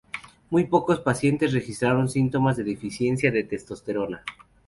Muy pocos pacientes registraron síntomas de deficiencia de testosterona.